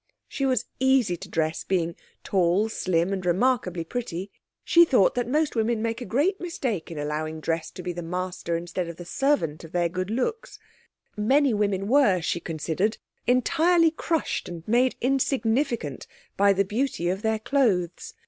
She was easy to dress, being tall, slim and remarkably pretty. She thought that most women make a great mistake in allowing dress to be the master instead of the servant of their good looks; many women were, she considered, entirely crushed and made insignificant by the beauty of their clothes.